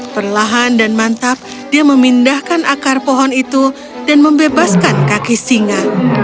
perlahan dan mantap dia memindahkan akar pohon itu dan membebaskan kaki singa